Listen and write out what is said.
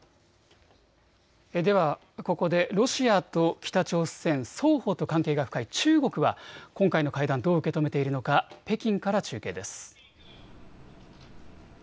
ではここでロシアと北朝鮮双方と関係が深い中国は今回の会談、どう受け止めているのか北京から中継です。